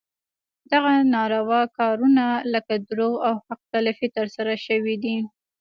دغه ناروا کارونه لکه دروغ او حق تلفي ترسره شوي دي.